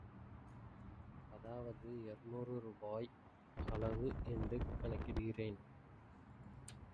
அதாவது இருநூறு ரூபாய் அளவு என்று கணக்கிடுகிறேன்.